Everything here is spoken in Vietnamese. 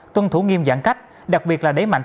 tuân thủ nghiêm giãn cách đặc biệt là đẩy mạnh